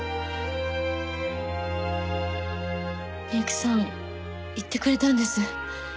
美由紀さん言ってくれたんです。